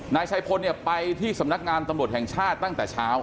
นายชัยพลเนี่ยไปที่สำนักงานตำรวจแห่งชาติตั้งแต่เช้า